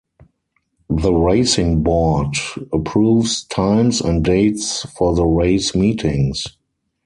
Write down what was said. The Racing Board approves times and dates for the race meetings.